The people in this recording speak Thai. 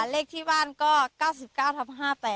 เลขที่บ้านก็๙๙ทับ๕๘